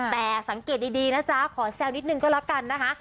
แต่สังเกตดีนะจ๊ะขอแซวนิดนึงก็แล้วกันนะคะ